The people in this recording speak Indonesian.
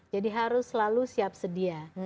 jadi harus selalu siap sedia